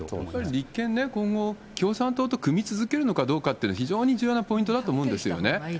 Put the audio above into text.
立憲ね、今後、共産党と組み続けるのかどうかというのは、非常に重要なポイントだと思うんですよね。